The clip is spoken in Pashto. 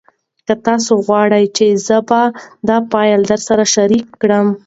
که تاسي وغواړئ زه به دا فایل درسره شریک کړم.